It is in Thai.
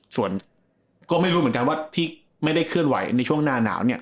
ส่วนก็ไม่รู้เหมือนกันว่าที่ไม่ได้เคลื่อนไหวในช่วงหน้าหนาวเนี่ย